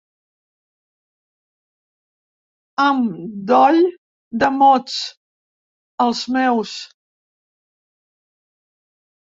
Amb doll de mots, els meus.